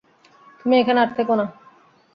তুমি এখানে আর থেকো না।